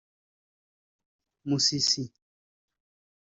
Musisi